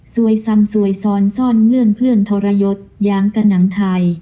ซ้ำสวยซ้อนซ่อนเลื่อนเพื่อนทรยศอย่างกระหนังไทย